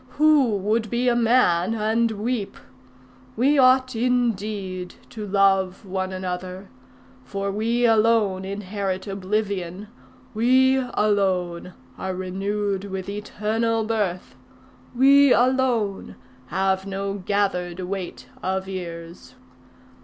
Who would be a man and weep? We ought indeed to love one another, for we alone inherit oblivion; we alone are renewed with eternal birth; we alone have no gathered weight of years.